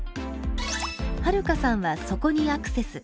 春香さんは、そこにアクセス。